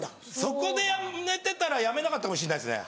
そこで売れてたら辞めなかったかもしれないですね。